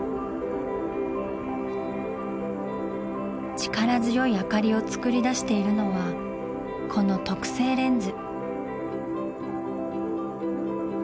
力強い明かりをつくり出しているのはこの特製レンズ。